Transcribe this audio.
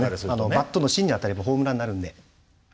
バットの芯に当たればホームランになるので。